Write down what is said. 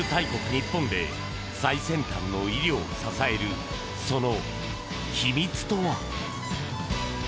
日本で最先端の医療を支えるその秘密とは？